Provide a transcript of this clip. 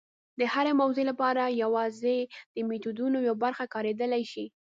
د هرې موضوع لپاره یوازې د میتودونو یوه برخه کارېدلی شي.